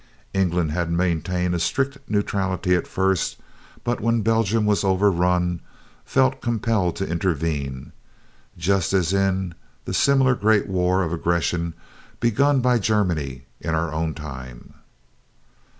England had maintained a strict neutrality at first, but when Belgium was overrun, felt compelled to intervene, just as in the similar great war of aggression begun by Germany in our own time.